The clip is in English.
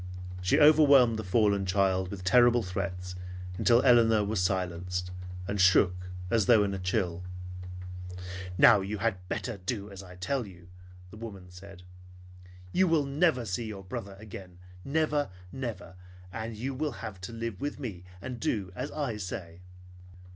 She overwhelmed the fallen child with terrible threats until Elinor was silenced and shook as though in a chill. "Now you had better do as I tell you," the woman said. "You will never see your brother again, never; never! And you will have to live with me, and do as I say."